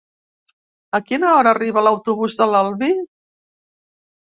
A quina hora arriba l'autobús de l'Albi?